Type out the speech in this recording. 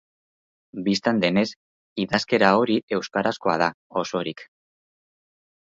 Bistan denez, idazkera hori euskarazkoa da, osorik.